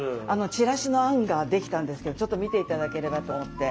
チラシの案ができたんですけどちょっと見ていただければと思って。